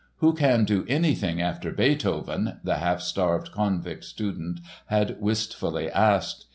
"Who can do anything after Beethoven?" the half starved Konvikt student had wistfully asked.